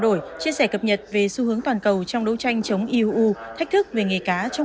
đổi chia sẻ cập nhật về xu hướng toàn cầu trong đấu tranh chống iuu thách thức về nghề cá trong